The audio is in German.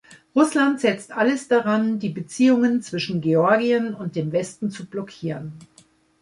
Russland setzt alles daran, die Beziehungen zwischen Georgien und dem Westen zu blockieren.